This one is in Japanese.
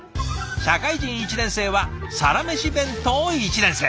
社会人１年生はサラメシ弁当１年生。